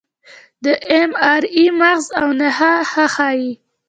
د اېم ار آی مغز او نخاع ښه ښيي.